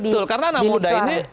betul karena anak muda ini